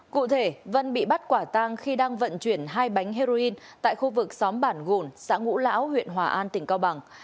cụ thể vân bị bắt quả tang khi đang vận chuyển hai bánh heroin tại khu vực xóm bản gồm xã ngũ lão huyện hòa an tỉnh cao bằng